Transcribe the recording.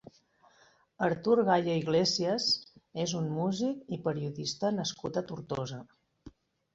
Artur Gaya Iglesias és un músic i periodista nascut a Tortosa.